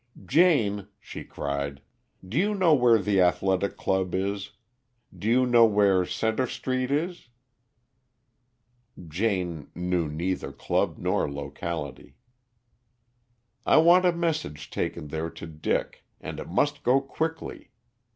"Jane," she cried, "do you know where the Athletic Club is? Do you know where Centre Street is?" Jane knew neither club nor locality. "I want a message taken there to Dick, and it must go quickly.